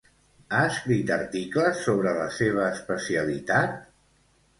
Ha escrit articles sobre la seva especialitat?